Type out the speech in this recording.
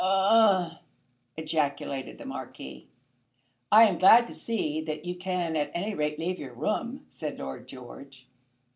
"Ugh!" ejaculated the Marquis. "I am glad to see that you can at any rate leave your room," said Lord George.